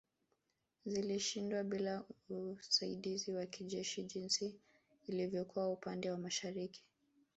Zilishindwa bila usaidizi wa kijeshi jinsi ilivyokuwa upande wa mashariki